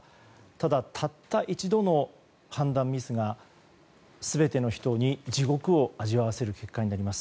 ただ、たった一度の判断ミスが全ての人に地獄を味わわせる結果になります。